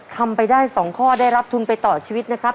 ทำไปได้๒ข้อได้รับทุนไปต่อชีวิตนะครับ